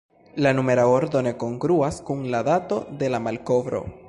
La numera ordo ne kongruas kun la dato de la malkovro.